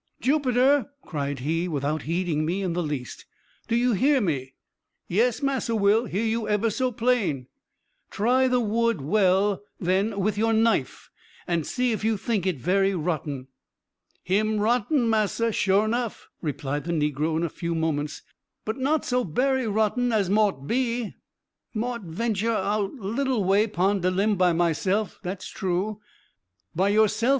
"Jupiter," cried he, without heeding me in the least, "do you hear me?" "Yes, Massa Will, hear you ebber so plain." "Try the wood well, then, with your knife, and see if you think it very rotten." "Him rotten, massa, sure nuff," replied the negro in a few moments, "but not so berry rotten as mought be. Mought venture our leetle way pon de limb by myself, dat's true." "By yourself!